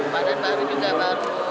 badan baru juga baru